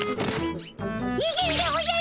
にげるでおじゃる！